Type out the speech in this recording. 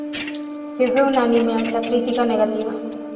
que fue unánime la crítica negativa